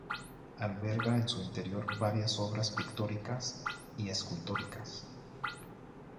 Alberga en su interior varias obras pictóricas y escultóricas.